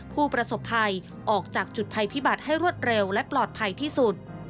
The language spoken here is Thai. ผู้ประสบภัยออกจากจุดภัยพิบัติให้รวดเร็วและปลอดภัยที่สุด